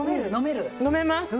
飲めます！